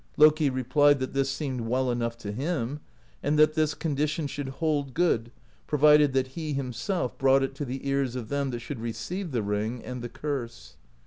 Loki replied that this seemed well enough to him, and that this condition should hold good provided that he himself brought it to the ears of them that should receive the ring and the curse.